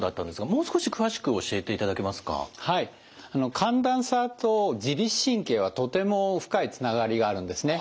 寒暖差と自律神経はとても深いつながりがあるんですね。